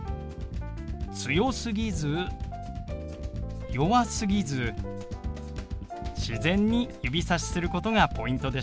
強すぎず弱すぎず自然に指さしすることがポイントでしたね。